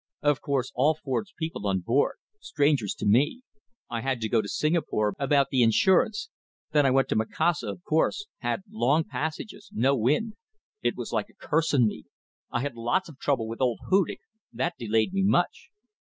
Of course all Ford's people on board. Strangers to me. I had to go to Singapore about the insurance; then I went to Macassar, of course. Had long passages. No wind. It was like a curse on me. I had lots of trouble with old Hudig. That delayed me much."